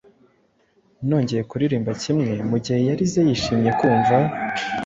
Nongeye kuririmba kimwe, Mugihe yarize yishimye kumva.